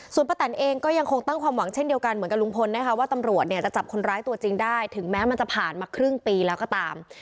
ส่วนป้าแตนเองก็ยังคงตั้งความหวังเช่นเดียวกันเหมือนกับลุงพลนะคะว่าตำรวจเนี่ยจะจับคนร้ายตัวจริงได้ถึงแม้มันจะผ่านมาครึ่งปีแล้วก็ตาม